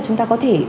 chúng ta có thể